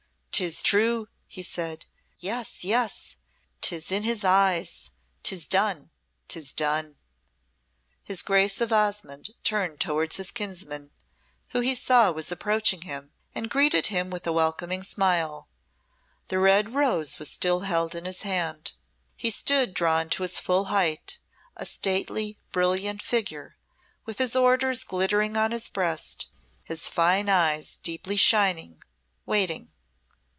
"Tis true!" he said. "Yes, yes; 'tis in his eyes. 'Tis done 'tis done!" His Grace of Osmonde turned towards his kinsman, who he saw was approaching him, and greeted him with a welcoming smile; the red rose was still held in his hand. He stood drawn to his full height, a stately, brilliant figure, with his orders glittering on his breast, his fine eyes deeply shining waiting.